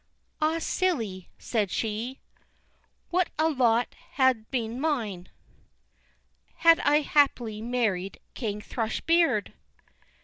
"Ah, silly," said she, "What a lot had been mine Had I happily married King Thrush beard!"